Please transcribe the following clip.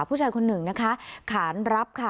ผู้ชายคนหนึ่งนะคะขานรับค่ะ